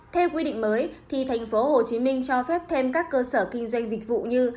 theo quy định mới thì tp hcm cho phép thêm các cơ sở kinh doanh dịch vụ như